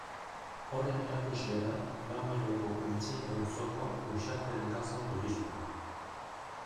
Horren erakusle da Aramaioko Untzilla auzoko Uxarte Nekazal Turismoa.